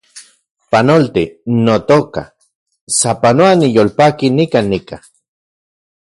Panolti, notoka , sapanoa niyolpaki nikan nika